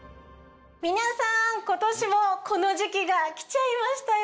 皆さん今年もこの時期が来ちゃいましたよ。